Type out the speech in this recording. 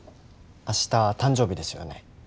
明日誕生日ですよね。